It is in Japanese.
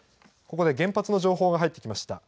ここで原発の情報が入ってきました。